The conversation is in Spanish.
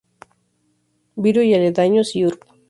Virú y aledaños; y Urb.